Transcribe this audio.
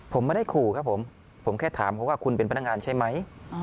ผมไม่ได้ขู่ครับผมผมแค่ถามเขาว่าคุณเป็นพนักงานใช่ไหม